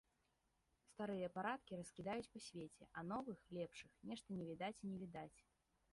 Старыя парадкі раскідаюць па свеце, а новых, лепшых, нешта не відаць і не відаць.